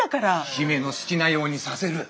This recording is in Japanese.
「姫の好きなようにさせる」。